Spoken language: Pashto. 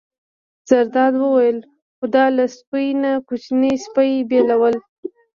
زرداد وویل: خو دا له سپۍ نه کوچنی سپی بېلول.